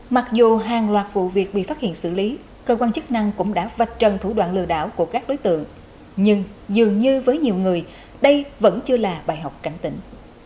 mặc dù hàng loạt vụ việc bị phát hiện xử lý cơ quan chức năng cũng đã vạch trần thủ đoạn lừa đảo của các đối tượng nhưng dường như với nhiều người đây vẫn chưa là bài học cảnh tỉnh